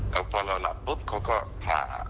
แล้วพอเราหลับปุ๊บเขาก็ผ่า